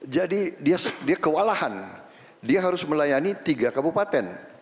jadi dia kewalahan dia harus melayani tiga kabupaten